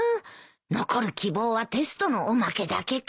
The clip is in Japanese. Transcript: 残る希望はテストのおまけだけか。